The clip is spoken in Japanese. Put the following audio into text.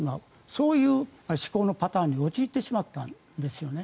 そういう思考のパターンに陥ってしまったんですね。